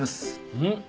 うん。